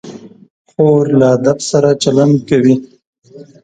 خور له ادب سره چلند کوي.